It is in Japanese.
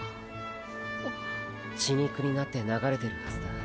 血肉になって流れてるはずだ。